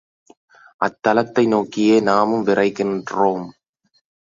அத்தலத்தை நோக்கியே நாமும் விரைகின்றோம்.